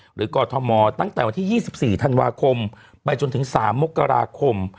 กรทมตั้งแต่วันที่๒๔ธันวาคมไปจนถึง๓มกราคม